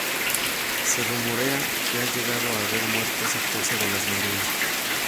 Se rumorea que han llegado a haber muertos a causa de las mareas.